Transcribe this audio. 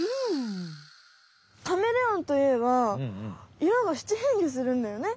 カメレオンといえば色が七変化するんだよね。